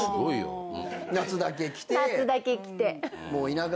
夏だけ来て。